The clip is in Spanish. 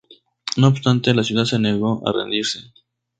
No obstante, la ciudad se negó a rendirse.